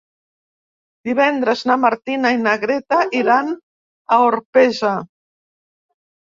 Divendres na Martina i na Greta iran a Orpesa.